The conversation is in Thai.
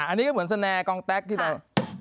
อันนี้ก็เหมือนสแนกองแต๊กที่เรา